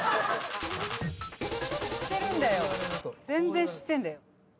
全然知ってんだよ。